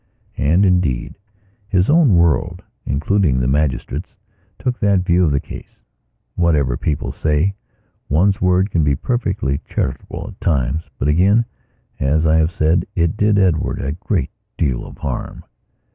And, indeed, his own worldincluding the magistratestook that view of the case. Whatever people say, one's world can be perfectly charitable at times... But, again, as I have said, it did Edward a great deal of harm.